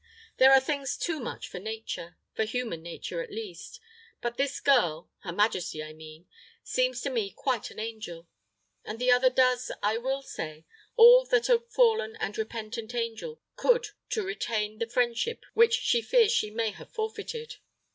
There are things too much for nature for human nature, at least. But this girl her majesty, I mean seems to me quite an angel; and the other does, I will say, all that a fallen and repentant angel could to retain the friendship which she fears she may have forfeited.